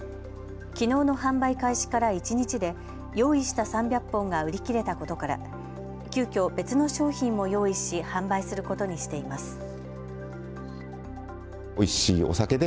きのうの販売開始から一日で用意した３００本が売り切れたことから急きょ、別の商品も用意し販売することにしています。